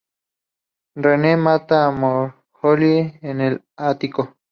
Renee mata a Marjorie en el ático.